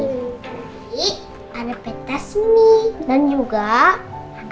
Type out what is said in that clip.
dan juga acara padang stay